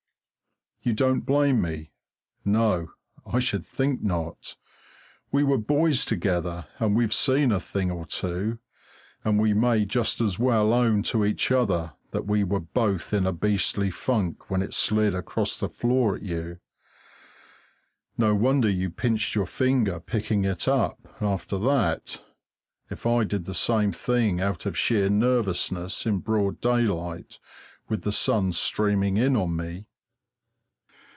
You don't blame me? No, I should think not! We were boys together, and we've seen a thing or two, and we may just as well own to each other that we were both in a beastly funk when it slid across the floor at you. No wonder you pinched your finger picking it up, after that, if I did the same thing out of sheer nervousness, in broad daylight, with the sun streaming in on me.